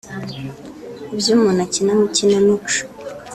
ibyo umuntu akina mu ikinamico